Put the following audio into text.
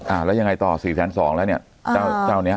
อ่าแล้วยังไงต่อ๔แสน๒แล้วเนี่ยเจ้าเนี่ย